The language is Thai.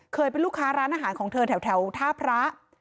เป็นลูกค้าร้านอาหารของเธอแถวท่าพระ